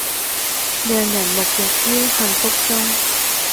讓人沐浴於幸福中